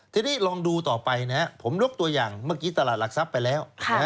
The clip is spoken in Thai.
ทีนี้ลองดูต่อไปนะครับผมยกตัวอย่างเมื่อกี้ตลาดหลักทรัพย์ไปแล้ว